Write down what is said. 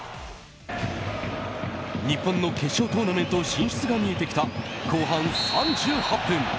日本の決勝トーナメント進出が見えてきた後半３８分。